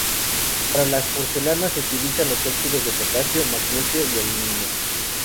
Para las porcelanas se utilizan los óxidos de potasio, magnesio y aluminio.